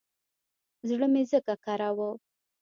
زړه مې ځکه کره و.